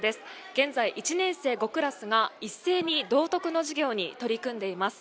現在１年生５クラスが一斉に道徳の授業に取り組んでいます。